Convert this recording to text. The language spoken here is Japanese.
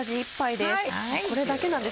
これだけなんですね。